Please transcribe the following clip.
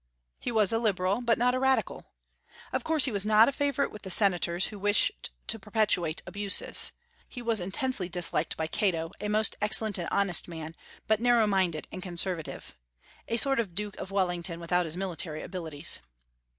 He was a liberal, but not a radical. Of course he was not a favorite with the senators, who wished to perpetuate abuses. He was intensely disliked by Cato, a most excellent and honest man, but narrow minded and conservative, a sort of Duke of Wellington without his military abilities.